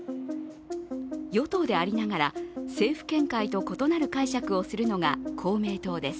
与党でありながら政府見解と異なる解釈をするのが公明党です。